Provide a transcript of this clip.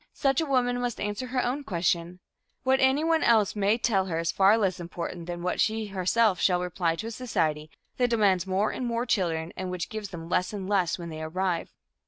Such a woman must answer her own question. What anyone else may tell her is far less important than what she herself shall reply to a society that demands more and more children and which gives them less and less when they arrive.